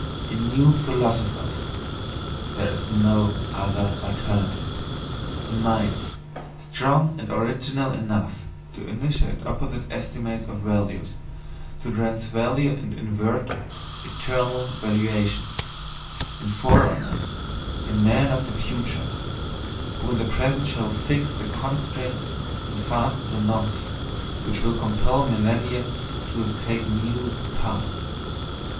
In NEW PHILOSOPHERS there is no other alternative: in minds strong and original enough to initiate opposite estimates of value, to transvalue and invert "eternal valuations"; in forerunners, in men of the future, who in the present shall fix the constraints and fasten the knots which will compel millenniums to take NEW paths.